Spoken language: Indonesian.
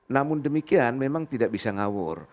namun demikian memang tidak bisa ngawur